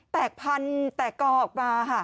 แตกพันแตกกออกมาค่ะ